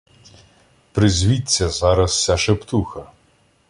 Призвідця зараз ся шептуха